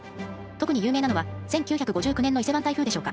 特に有名なのは１９５９年の伊勢湾台風でしょうか。